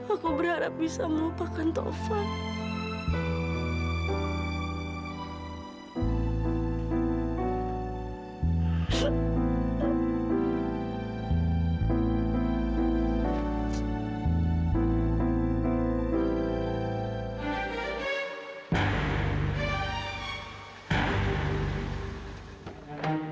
aku berharap bisa melupakan taufan